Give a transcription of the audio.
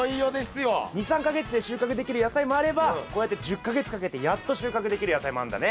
２３か月で収穫できる野菜もあればこうやって１０か月かけてやっと収穫できる野菜もあるんだね。